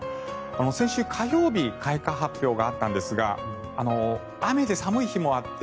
先週火曜日開花発表があったんですが雨で寒い日もあって